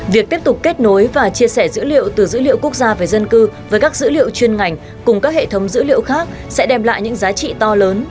việc tiếp tục kết nối và chia sẻ dữ liệu từ dữ liệu quốc gia về dân cư với các dữ liệu chuyên ngành cùng các hệ thống dữ liệu khác sẽ đem lại những giá trị to lớn